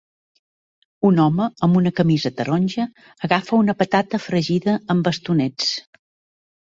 Un home amb una camisa taronja agafa una patata fregida amb bastonets.